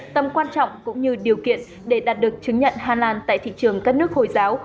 tầm quan trọng cũng như điều kiện để đạt được chứng nhận hà lan tại thị trường các nước hồi giáo